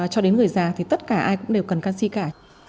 cho đến người già thì tất cả ai cũng đều cần canxi cả